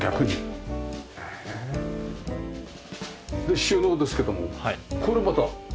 収納ですけどもこれまた。